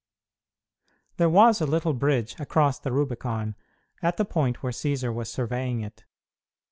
There was a little bridge across the Rubicon at the point where Cćsar was surveying it.